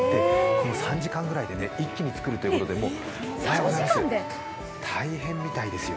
３時間ぐらいで一気に作るということで大変みたいですよ。